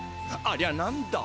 ありゃ何だ？